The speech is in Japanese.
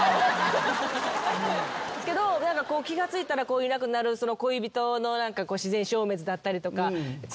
気が付いたらいなくなる恋人の自然消滅だったりとか。